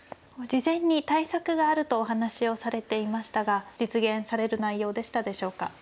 事前に対策があるとお話をされていましたが実現される内容でしたでしょうか。